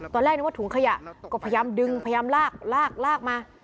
ตอนแรกนึกว่าถุงขยะก็พยายามดึงพยายามลากลากลากมา